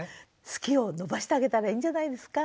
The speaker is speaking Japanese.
好きを伸ばしてあげたらいいんじゃないですか？